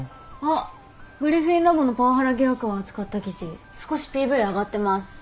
あっグリフィン・ラボのパワハラ疑惑を扱った記事少しＰＶ上がってます。